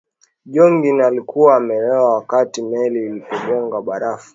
joughin alikuwa amelewa wakati meli ilipogonga barafu